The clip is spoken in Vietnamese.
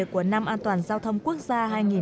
của năm an toàn giao thông quốc gia hai nghìn một mươi chín